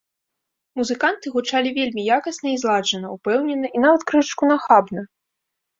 Музыканты гучалі вельмі якасна і зладжана, упэўнена і нават крышачку нахабна.